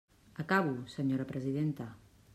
Acabo, senyora presidenta.